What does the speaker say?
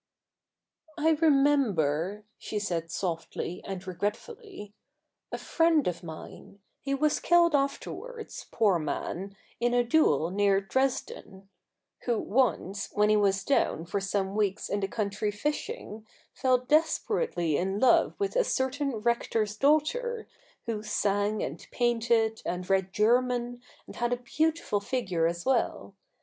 ' I remember,' she said softly and regretfully, ' a friend of mine — he was killed afterwards, poor man, in a duel near Dresden — who once, when he was down for some weeks in the country fishing, fell desperately in love with a certain rector's daughter, who sang, and painted, and read German, and had a beautiful figure as well.